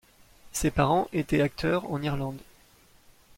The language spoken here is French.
Ses parents étaient acteurs en Irlande.